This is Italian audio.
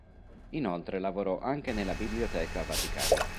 Inoltre lavorò anche nella Biblioteca Vaticana.